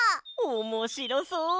おもしろそう！